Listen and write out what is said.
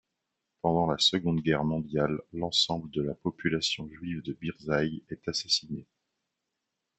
Pendant la Seconde Guerre mondiale, l'ensemble de la population juive de Biržai est assassinée.